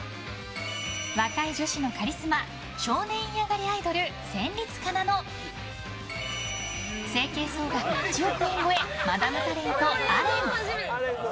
若い女子のカリスマ少年院上がりアイドル戦慄かなの整形総額１億円超えマダムタレント、アレン。